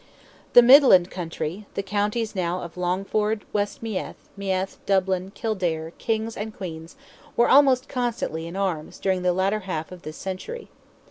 The midland country—the counties now of Longford, West Meath, Meath, Dublin, Kildare, King's and Queen's, were almost constantly in arms, during the latter half of this century.